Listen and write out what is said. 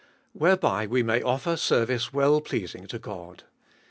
Whereby we may offer service well pleasing to God.